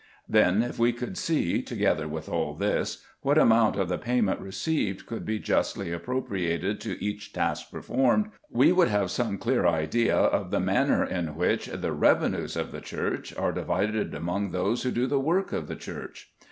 Then, if we could see, together with all this, what amount of the payment received could be justly appropriated to each task performed, we should have some clear idea of the manner in which the revenues of the Church are divided among those who do the work of the Church.